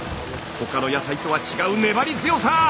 他の野菜とは違う粘り強さ！